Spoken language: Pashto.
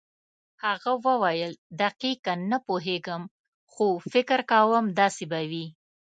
هغه وویل دقیقاً نه پوهېږم خو فکر کوم داسې به وي.